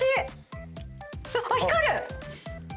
あっ光る！